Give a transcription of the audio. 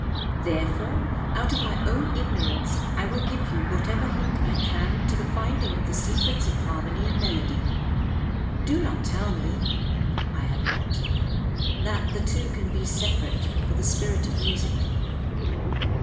Therefore, out of my own ignorance I will give you whatever hint I can to the finding of the secrets of harmony and melody. Do not tell me " (I had not) " that the two can be separate for the Spirit of Music.''